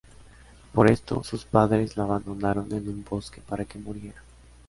Por esto sus padres la abandonaron en un bosque para que muriera.